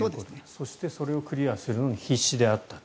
そしてそれをクリアするのに必死であった。